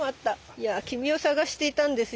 いや君を探していたんですよ。